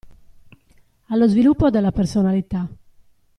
Allo sviluppo della personalità.